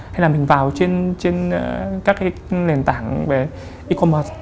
hay là mình vào trên các cái nền tảng về e commerce